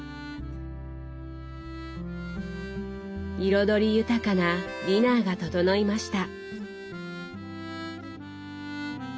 彩り豊かなディナーが整いました。